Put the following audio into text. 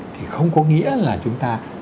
thì không có nghĩa là chúng ta